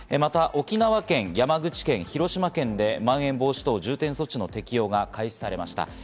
沖縄県、山口県、広島県でまん延防止等重点措置の適用が開始されました。